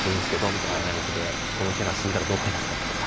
みたいな前置きで「このキャラ死んだらどうなりますかね」とか。